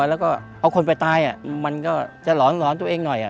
แล้วก็เอาคนไปตายมันก็จะหลอนตัวเองหน่อย